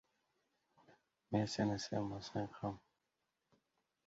Fotosayohat: Tungi Andijon manzaralari «Xabar.uz» nigohida